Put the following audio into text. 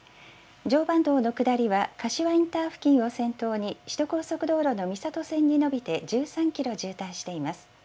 常磐道の下りは柏インター付近を先頭に、首都高速道路の三郷線に伸びて１３キロ渋滞しています。